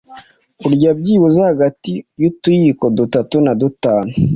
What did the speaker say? urya byibuze hagati y’utuyiko dutatu na dutanu